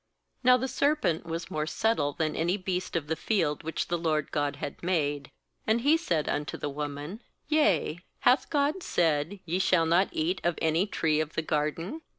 Q Now the serpent was more subtle than any beast of the field which the LORD God had made. And he said unto the woman: 'Yea, hath God said: Ye shall hot eat of any tree of the garden?'